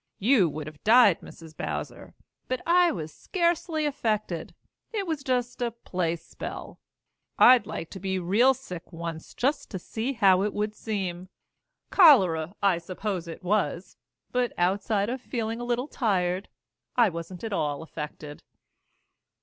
You would have died, Mrs. Bowser; but I was scarcely affected. It was just a play spell. I'd like to be real sick once just to see how it would seem. Cholera, I suppose it was; but outside of feeling a little tired, I wasn't at all affected."